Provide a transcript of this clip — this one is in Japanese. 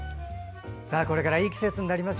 これからいい季節になります。